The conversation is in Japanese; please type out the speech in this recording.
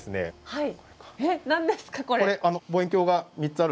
はい。